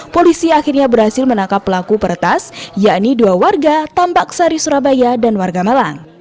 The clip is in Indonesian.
polisi akhirnya berhasil menangkap pelaku peretas yakni dua warga tambak sari surabaya dan warga malang